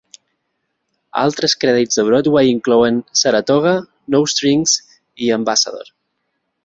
Altres crèdits de Broadway inclouen "Saratoga", "No Strings" i "Ambassador".